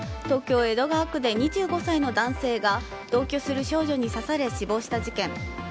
東京・江戸川区で２５歳の男性が同居する少女に刺され死亡した事件。